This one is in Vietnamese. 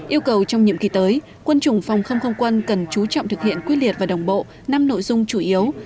yêu cầu trong nhiệm kỳ tới quân chủng phòng không không quân cần chú trọng thực hiện quyết liệt và đồng bộ năm nội dung chủ yếu